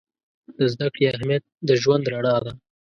د زده کړې اهمیت د ژوند رڼا ده.